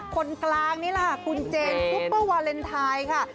คนกลางนี่แหละค่ะคุณเจนซุปเปอร์วาเลนไทยค่ะ